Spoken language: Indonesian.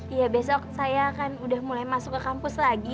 iya besok saya akan udah mulai masuk ke kampus lagi